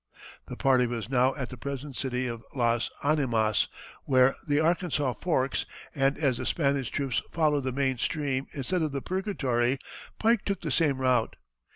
The party was now at the present city of Las Animas, where the Arkansas forks, and as the Spanish troops followed the main stream instead of the Purgatory, Pike took the same route.